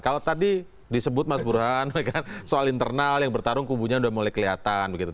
kalau tadi disebut mas burhan soal internal yang bertarung kubunya sudah mulai kelihatan begitu